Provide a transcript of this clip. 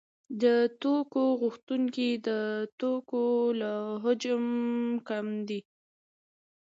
د توکو غوښتونکي د توکو له حجم کم دي